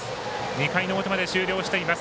２回の表まで終了しています。